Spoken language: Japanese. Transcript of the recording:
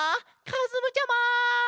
かずむちゃま！